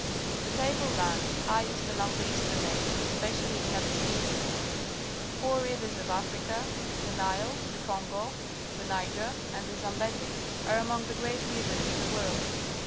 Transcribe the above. The table land is highest along the eastern edge, especially in Abyssinia. Four rivers of Africa — the Nile, the Congo. the Nige r, and the Zambezi — are among the great rivers of the world.